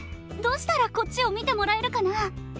どうしたらこっちを見てもらえるかな。